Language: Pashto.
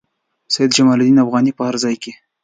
سید جمال الدین افغاني په هر ځای کې.